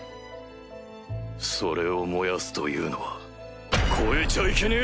それを燃やすというのは超えちゃいけねえ